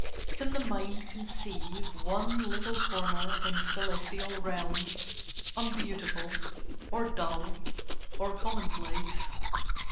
Can the mind conceive One little corner in celestial realms Unbeautiful, or dull or commonplace?